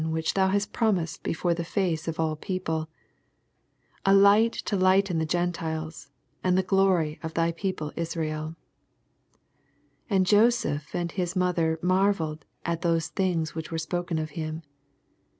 81 Which thou hast prepared befort the fiioe of all people ; 82 A liffht to liffhten the Gentiles, and the elory of thy people Israel. 83 Ana Joseph and his mother mar velled at those things yhich were spoken of him.